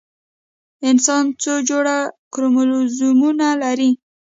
انسان څو جوړه کروموزومونه لري؟